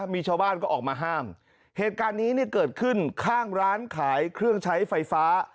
มีชาวบ้านก็ออกมาห้ามเหตุการณ์นี้เนี่ยเกิดขึ้นข้างร้านขายเครื่องใช้ไฟฟ้า